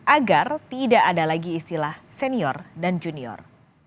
agar tidak ada lagi istilah senior dan junior